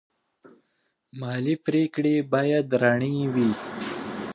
مالي پریکړې باید رڼې وي.